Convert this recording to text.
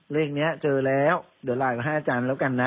เลขนี้เจอแล้วเดี๋ยวไลน์มาให้อาจารย์แล้วกันนะ